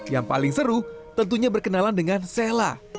yang paling seru tentunya berkenalan dengan sela